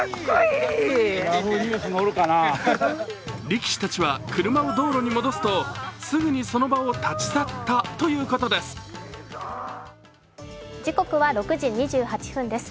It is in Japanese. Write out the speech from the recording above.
力士たちは車を道路に戻すとすぐにその場を立ち去ったということです。